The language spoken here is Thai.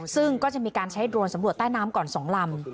ซึ่งก็จะมีการใช้โดรนสำรวจใต้น้ำก่อน๒ลำ